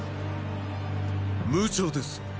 無茶です。